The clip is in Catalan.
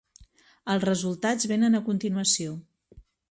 Els resultats venen a continuació.